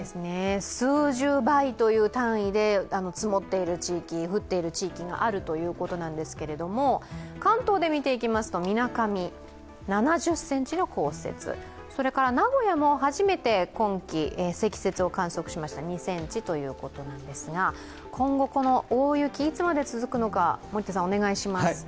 数十倍という単位で積もっている地域、降っている地域があるということなんですけれども関東で見ていきますとみなかみ７０ｃｍの降雪、名古屋も初めて今季積雪を観測しました、２ｃｍということなんですが、今後、大雪がいつまで続くのかお願いします。